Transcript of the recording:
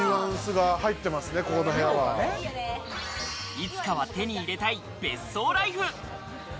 いつかは手に入れたい別荘ライフ。